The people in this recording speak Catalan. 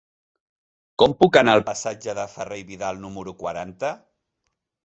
Com puc anar al passatge de Ferrer i Vidal número quaranta?